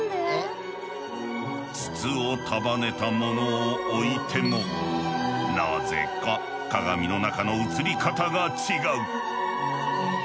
筒を束ねたものを置いてもなぜか鏡の中の映り方が違う。